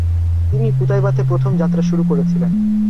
তিনি কুতাইবাতে প্রথম যাত্রা শুরু করেছিলেন ।